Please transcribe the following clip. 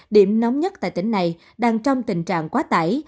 điểm nóng nhất tại tỉnh này đang trong tình trạng quá tải